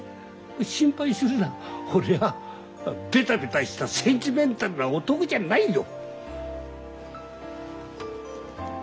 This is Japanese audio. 心配するな俺はベタベタしたセンチメンタルな男じゃないよ。